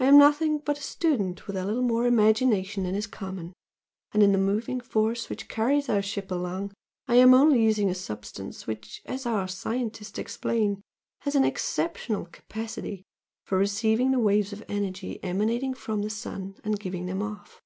I am nothing but a student with a little more imagination than is common, and in the moving force which carries our ship along I am only using a substance which, as our scientists explain, 'has an exceptional capacity for receiving the waves of energy emanating from the sun and giving them off.'